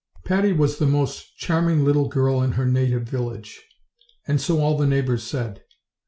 PATTY was the most charming little girl in her native village, and so all the neighbors said.